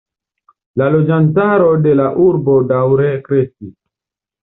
La loĝantaro de la urbo daŭre kreskis.